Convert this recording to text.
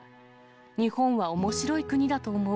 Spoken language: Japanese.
日本はおもしろい国だと思う。